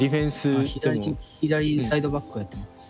左左サイドバックをやってます。